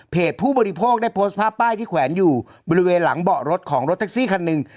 ผู้บริโภคได้โพสต์ภาพป้ายที่แขวนอยู่บริเวณหลังเบาะรถของรถแท็กซี่คันหนึ่ง